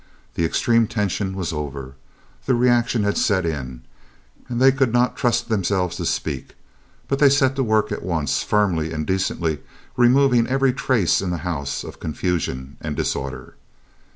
The extreme tension was over, the reaction had set in, and they could not trust themselves to speak, but set to work at once, firmly and decently removing every trace in the house of confusion and disorder.